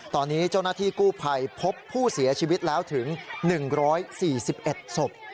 ตอนนี้เจ้าหน้าที่กู้ภัยพบผู้เสียชีวิตแล้วถึง๑๔๑ศพ